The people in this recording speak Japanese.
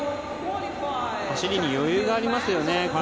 走りに余裕がありますよね。